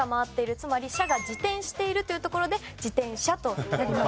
つまり「しゃ」が自転しているというところで自転車となります。